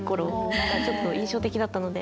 何かちょっと印象的だったので。